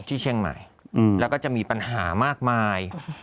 ที่เชียงใหม่แล้วก็จะมีปัญหามากมาย